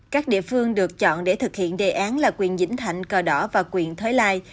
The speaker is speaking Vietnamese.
các địa phương được chọn để thực hiện đề án là quyền dĩnh thạnh cờ đỏ và quyền thới lai